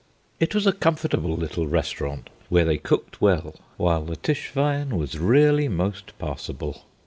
It was a comfortable little restaurant, where they cooked well, while the Tischwein was really most passable.